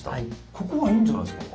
ここはいいんじゃないですか？